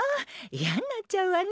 嫌になっちゃうわね